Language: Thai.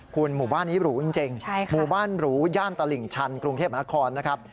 คุณหมู่บ้านนี้หรูจริงหมู่บ้านหรูย่านตลิ่งชันกรุงเทพมนาคอนนะครับ